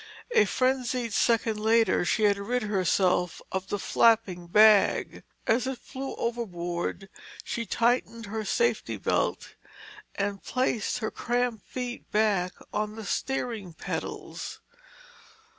A frenzied second later she had rid herself of the flapping bag. As it flew overboard, she tightened her safety belt and placed her cramped feet back on the steering pedals.